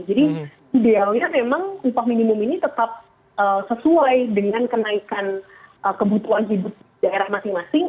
jadi idealnya memang upah minimum ini tetap sesuai dengan kenaikan kebutuhan hidup daerah masing masing